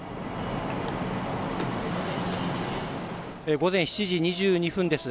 午前７時２５分です。